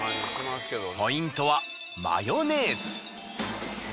ポイントはマヨネーズ。